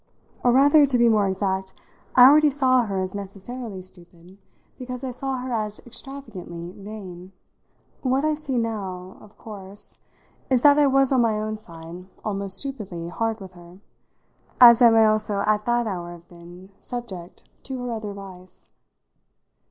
Or rather, to be more exact, I already saw her as necessarily stupid because I saw her as extravagantly vain. What I see now of course is that I was on my own side almost stupidly hard with her as I may also at that hour have been subject to her other vice.